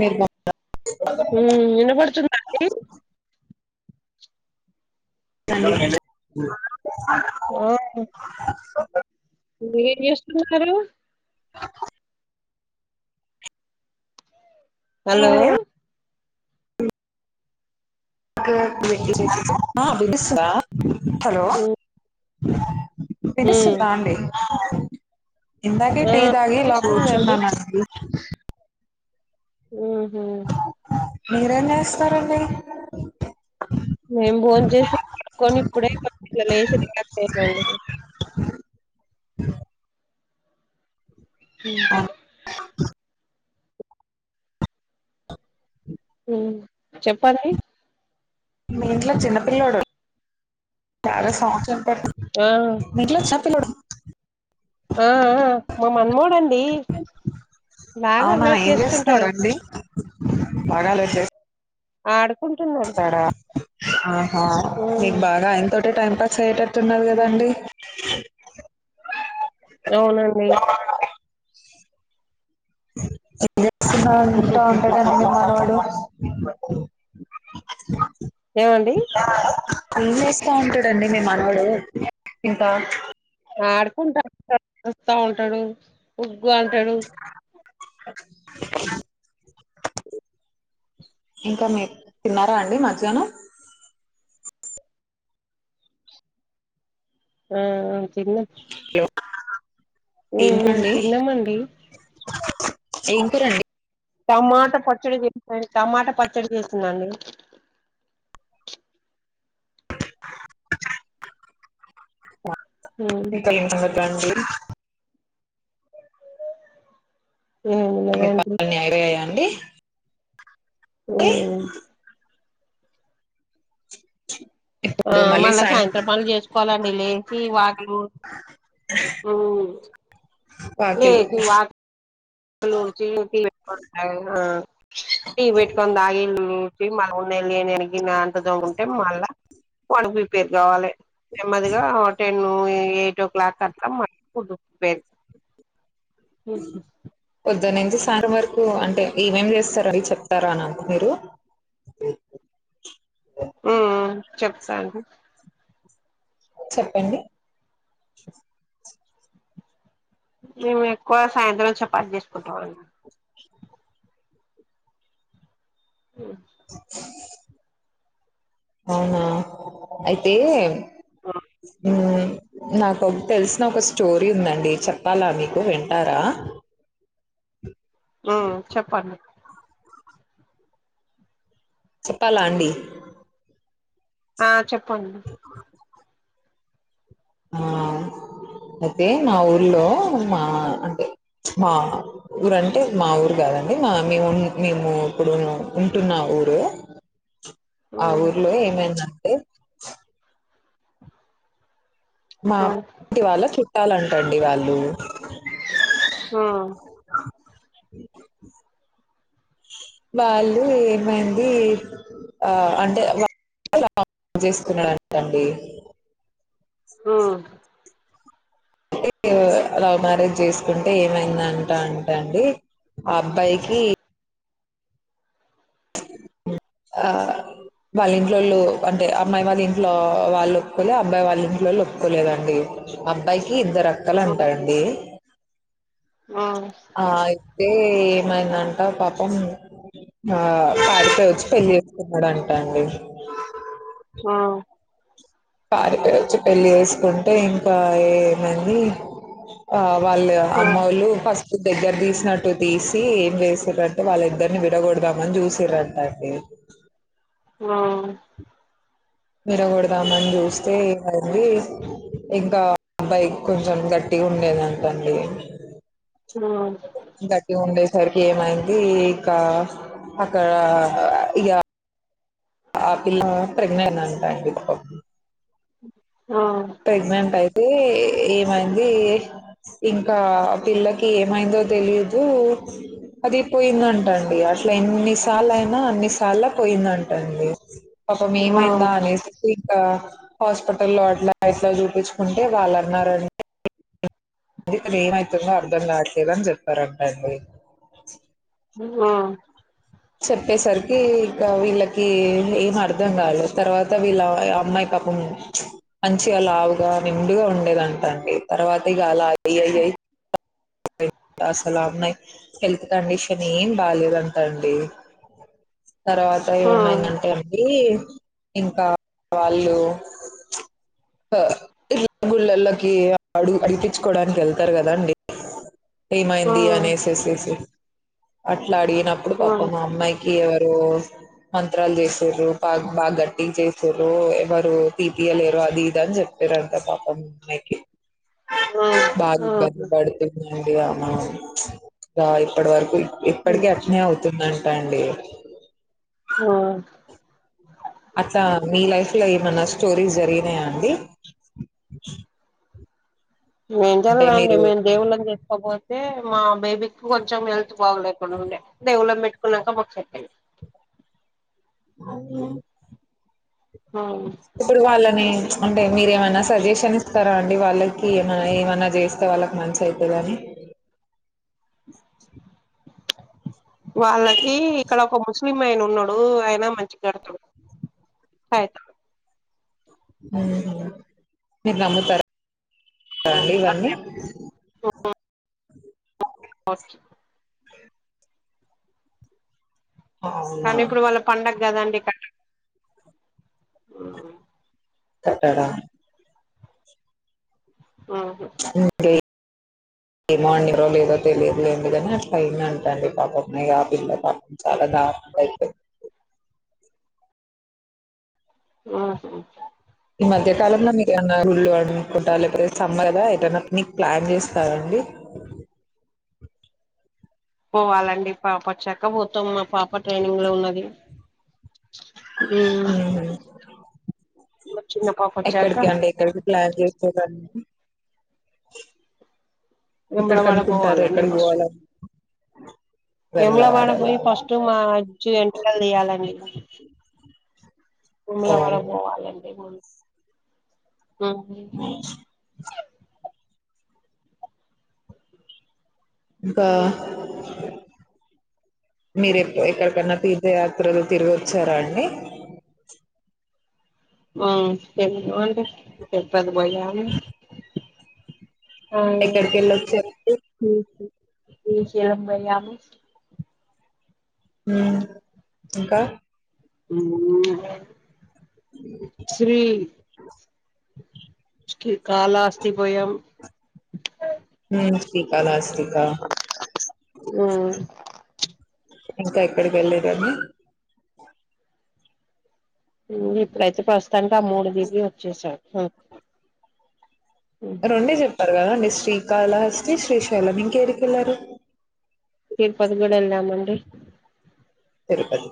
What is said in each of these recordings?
నిర్బయ. ఉమ్ వినబడుతుందండి. ఆహ్. ఏమిటి. ఆహ్ నువ్వు ఏం చేస్తున్నావ్. ఎవరు. ఆహ్ హలో. [inaudible] హలో ఆహ్. హ్మ్ వినిపిస్తుందా అండి. ఆహ్ ఇందాకే ఆ టీ తాగి ఇలా వినిపిస్తుందండి కూర్చున్నానండి. [unintelligible] ఉహూ. మీరేం చెస్తారండి. మేం భోన్ చేసి కొని ఇప్పుడే బ లేసి ఇట్ వచ్చినమండి. ఆహ్ ఉమ్. ఉమ్మ్ చెప్పండి. మీ ఇంట్లో చిన్నపిల్లోడు చానా సౌండ్ వస్. మీ ఇంట్లో చిన్న పిల్లోడ్. ఆహ్ ఆహ్ మా మన్మడండి బాగా అవునా అల్లరి ఏం చేస్తుంటాడు. చేస్తున్నాడండి బాగా అల్లరి చేస్. ఆడు. స్తాడా ఆహా మీకు హ్మ్ బాగా ఆయన తోటే టైం పా స్ అయ్యేట ట్టున్నారు హ్మ్ గదండి అవునండి [inaudible] నా వెంటా ఉంటడండి మనుమడు [unintelligible] ఏవండి తాంటడు ఏంటండీ మీ మనుమడు ఇంకా ప్చ్ ఆడుకుంటా ఉంటా వస్తా ఉంటాడు ఉగ్గు అంటాడు ఇంకా మీర్ తిన్నారా అండి మధ్యాహ్నం ఉమ్ తిన్నాం హలో ఉమ్ ఏం ఉమ్ కూరండి తిన్నామండి ఏం కూరండి టమాటా పచ్చడి చేస్తు టమాటా పచ్చడి చేసిందండి ఉమ్ ఇంతకలింగా [unintelligible] ఉమ్ గదే అంటున్న అండీ ఉమ్ ఆ ఇప్పుడు మళ్ళీ మళ్ళా సాయం సాయంత్రం పనులు చేసుకోవాలండి లేచి వాకిలు ఉ ఊ వాకిలు లేదు వాక్ వాకీలు ఊడ్చి టీ పెట్టుకొని తాగినా టీ పెట్టుకొని తాగి డ్చి మళ్ళ నేను ఏం చేయ్యను ఈ గిన్నె అంతా తోముకుంటే మళ్ళా వాడు పి పెద్ద అవ్వలే నెమ్మదిగా టెన్ పోయి ఎయిట్ ఓ క్లాక్ వత్తామ్ [inaudible] ఉహూ పొద్దన నుంచి సాయంత్రం వరకు అంటే ఏం ఏం చేస్తారో అడిగి చెప్తారా నాకు మీరు ఉమ్ ఉమ్ చెప్తాను చెప్పండి మేము ఎక్కువ సాయంత్రం చపాతి చేసుకుంటాం అండీ [unintelligible] అవునా అయితే ఊ నాకు ఒ తెలిసిన ఒక స్టోరీ ఉందండి చెప్పాలా మీకు వింటారా ఆ చెప్పండి చెప్పాలా అండి ఆ చెప్ పండి ఆ అయితే మా ఊర్లో మా అంటే మా ఊరంటే మా ఊరు కాదండి మా మేము మేము ఇప్పుడు ఉంటున్న ఊరు ఆ ఉమ్ ఊర్లో ఏమైందంటే స్ మా ఉమ్ ఆంటీ వాళ్ళ చుట్టాలంట్ట అండీ వాళ్ళు ఆ వాళ్ళు ఏమైంది ఆ అంటే వా [unintelligible] చేసున్నారంట అండీ ఆ అంటే లవ్ మ్యారేజ్ చేసుకుంటే ఏమైందంట అంట అండి ఆ అబ్బాయికి ఆ వాళ్ళ ఇంట్లో వాళ్ళు అంటే అమ్మాయి వాళ్ళ ఇంట్లో వాళ్ళు ఒప్పుకోలేదు అబ్బాయి వాళ్ళ ఇంట్లో వాళ్ళు ఒప్పుకోలేదండి అబ్బయికి ఇద్దరు అ క్కలు అంటండి ఆ ఆ అయితే ఏమైందంట పాపం ఆ పారిపై వచ్చి పెళ్లి చేసున్నాడంట అండి ఆ పారిపి వచ్చి పెళ్లి వేసుకుంటే ఇంకా ఏమంది ఆ వాళ్ళు అమ్మోళ్లు ఫస్ దగ్గర తీసినట్టు తీసి ఏం చేసిరంటే వాళ్ళిద్దరిని విడగొడదామని చూసిరంటండి ఆ విరగొడదామని చూస్తే అంది ఇంకా అబ్బైక్ కొంచెం గట్టిగా ఉండేదంటండి ఆ గట్టి ఉండేసరికి ఏమైంది ఇక అక్కడ ఇగ ఆ పిలా ప్రెగ్నంట్ అంటండి ఇపు ప్రెగ్నెంట్ అయి అయితే ఏమైంది ఇంకా పిల్లకి ఏమైందో తెలిదు అది పోయిందంటండి అట్లా ఎన్ని సాల అయినా అన్ని సాల పోయిందంటండి పాప మేమైందా అనేసి గ హాస్పిటల్ లో అట్లా వయసులో చూపించుకుంటే వాళ్ళన్నరంట ఇక్కడ ఏమైతుందో అర్థం కావట్లేదని చెప్పారంటండి హ్మ్ ఉమ్. చెప్పేసరికి ఇగ వీళ్లకి ఏం అర్థం కాలేదు. తర్వాత వీళ్ల ఆమ అమ్మాయి పాపం మంచిగా లావుగా నిండుగా ఉండేదంట అండి. తర్వాత ఇగ అలా అయి. అయ అయి అయి పా అసలు అమ్మాయి హెల్త్ కండిషన్ ఏం బాలేదంట అండి. తర్వాత ఏమైందంటే అండి. ఇంకా వాళ్లు కా ఇళ్ గుళ్లల్లకి అడుగు అడుగుపించుకోవడానికి వెళ్తారు కదా అండి. ఏం మైందీ అనేసేసిసి? ఆట [unintelligible] అట్ల అడిగినప్పుడు ఉమ్ ఉమ్ ఉమ్ పాపం ఆ అమ్మాయికి ఎవరు. డైవోర్స్ మంత్రాలు చేసిరు పాగ. బాగా గట్టింగ్ చేసిరు, ఎవరు తీపియలేరు అది ఇద అన్ని చెయ్పిరంట పాపం ఆ అమ్మాయికి. బాగా ఇబంది పడుతది అంట. ఇందిగా మనం, రా ఇప్పడ్ వరకు. ఇప్పడికి అటనే అవు. ఉంటుందంట అండి. ఆ అట్లా మీ లైఫ్ లో ఏమన్నా స్టోరీస్ జరిగినాయా అండి? మేం అంటే జరగలేదు అండీ మీరు మేము దేవుళ్లని చెసుకోబొతె. అంటే మా బేబీకి కొంచెం హెల్త్ బాగాలేకుం ఉండే, దేవుళ్లన పెట్టుకున్నాక మాకు సెట్ అయింది. [unintelligible] అవును. ఇప్పుడు వాళ్లని అంటే మీరు ఏమైనా సజెషన్ ఇస్తారా అండి? వాళ్లకి ఏమైనా ఏమైనా జేస్తే వాళ్లకు మంచి అయితది అని. [inaudible] వాళ్లకి ఇక్కడ ఒక ముస్లిం. మైయన్ ఉన్నాడు మంచిగ కడతాడు సైట్ ల. మీరేనా? [unintelligible] మీరు నమ్ముతారా? రండి ఇవ్వన్ని. కడతాడు [inaudible] ఖర్చు [unintelligible] అవునా కానీ ఇప్పుడు వాళ్ల పండగ. గదా అండి కా టాట, [unintelligible] హ్మ్. కట్టడా. ఊహూ. ఏ మార్నింగ్ ఎపుడువరకు లేసరో తెలీదు లెండి, కానీ అట్ల అయిందంట అండి. పాపం మే పిల్ల పాపం. చాలా దారుణంగా అయిపోయింది. ఆహా ఈ మధ్య కాలంలో మీరు ఏమైనా గుళ్ళు అనుకుంటార లేకపోతే సమ్మర్ కదా ఎటన్న మీక్ ప్లాన్ చేస్తారండి. పోవాలండి పాప వచ్చాక పోతం మేం పాప ట్రైనింగ్ లో ఉన్నది ఊహూ మా చిన్న పాప వచ్చాక ఎక్కడికి అండి ఎక్కడికి ప్లాన్ చేసే [unintelligible] ఎక్కడ వేములవాడ కనుక్కుంటారు ఎక్కడికి పోవాల అ. వేములవాడపోయి ఫస్ట్ మా ఇజు ఎంటుకలు తీయాలండి ఓ వేములవాడ పోవాలండి ముందు హ్మ్ ఇంకా మీరు ఎక్ ఎక్కడికన్నా తీర్థయాత్రలు తిరిగి వచ్చారా అండి హ్మ్ వెళ్ళినామండి అది పొయ్యాము ఎక్కడికి వెళ్ళొచ్చారండి శ్రీశైలం పొయ్యాము హ్మ్ ఇంకా హ్మ్ శ్రీ సి కాళహస్తి పొయ్యాం శ్రీకాళహస్తికా ఉమ్ ఇంకా ఎక్కడికి వెళ్ళలేదాండి హ్మ్ ఇప్పుడైతే ఫస్ట్ [unintelligible] మూడు దిగి వచ్చేసాం హూ రెండే చెప్ చెప్పారు కదండి శ్రీకాళహస్తి శ్రీశైలం ఇంకేడికి వెళ్ళారు తిరుపతి కూడా వెళ్ళామండి తిరుపతి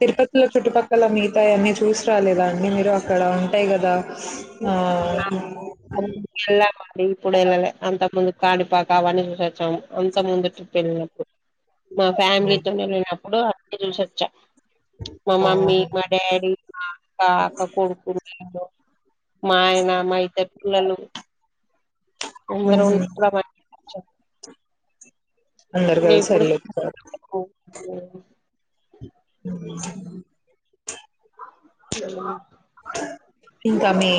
తిరుపతిలో చుట్టుపక్ పక్కల మిగతాయి అన్నీ చూసి రాలేదా అండి మీరు అక్కడ ఉంటాయి గదా [inaudible] ఇప్పుడు వెళ్ళలే అంత ముందు కానీపాకా అవన్నీ చూసి వచ్చాము అంత ముందు ట్రిప్ వెళ్ళినప్పుడు మా ఫ్యామిలీతోని వెళ్ళినప్పుడు అన్ని చూసి వచ్చా మా మమ్మీ అవును. మా డాడీ మా అక్క అక్క కొడుకు నేను మా ఆయన మా ఇద్దరు పిల్లలు ఉహు. [unintelligible] అందరు ఇప్పుడు కలిసిఎల్లిర్రు ఇంకా మీ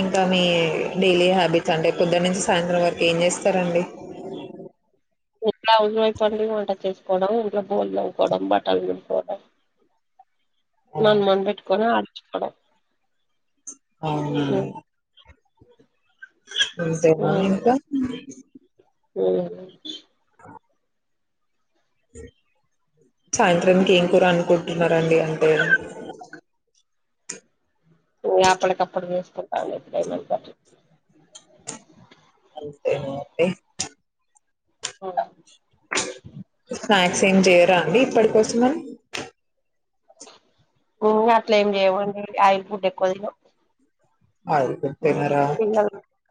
ఇంకా మీ డైలీ హ్యాబిట్స్ అంటే పొద్దున నుంచి సాయంత్రం వరకు ఏం చేస్తారండి ఎట్లా [unintelligible] వంటలు చేస్తా కోడం ఇంట్లో బోకులు తోముకోవడం బట్టలు పిండుకోవడం ఆ! మంద మంద పెట్కోన ఆ హలో అవును అంతేన ఇంకా ఉమ్ ఉమ్ సాయంత్రాంకి ఏం కూర అనుకుంటున్నారండి అంటె హు య అప్పుడకప్పుడ జేస్ కుంటాములె, ఇప్పుడు జెయమంటె. అంతే యేమంటె ఉమ్ స్నాక్స్ ఏమ్ చేయరా అండి. పడి కొస్తున్నమ్. ఊ అట్ల ఏమ్ చేయమండి. ఆయల్ ఫుడ్ ఎక్కువ తినం ఆయిల్ ఫుడ్ హు తినరా ఇయ్యల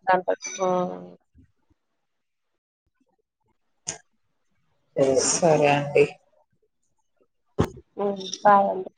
దాన్ కోసం ఉమ్ సరే అండి ఉమ్ బాయ్ అండి